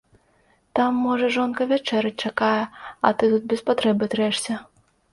Там, можа, жонка вячэраць чакае, а ты тут без патрэбы трэшся.